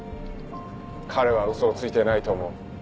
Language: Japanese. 彼はウソをついていないと思う。